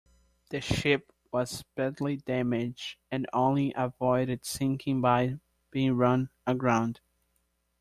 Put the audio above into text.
The ship was badly damaged and only avoided sinking by being run aground.